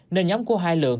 nên nhóm của hai lượng